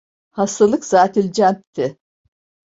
Hastalık zatülcenpti.